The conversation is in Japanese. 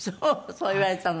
そう言われたの。